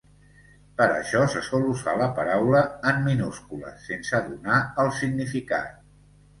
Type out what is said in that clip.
Per això se sol usar la paraula en minúscules, sense donar el significat.